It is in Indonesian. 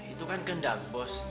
itu kan gendak bos